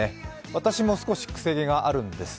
私も少し癖毛があるんです。